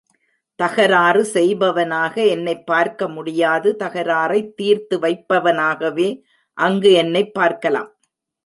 தகராறு செய்பவனாக என்னைப் பார்க்க முடியாது தகராறைத் தீர்த்து வைப்பவனாகவே அங்கு என்னைப் பார்க்கலாம்.